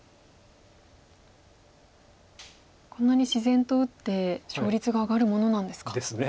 こんなに自然と打って勝率が上がるものなんですか。ですね。